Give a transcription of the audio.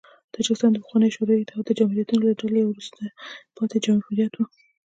تاجکستان د پخواني شوروي اتحاد د جمهوریتونو له ډلې یو وروسته پاتې جمهوریت و.